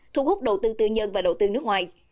thu hút đầu tư tư nhân và đầu tư nước ngoài